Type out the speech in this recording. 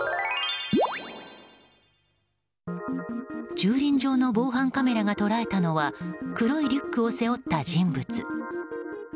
駐輪場の防犯カメラが捉えたのは黒いリュックを背負った人物。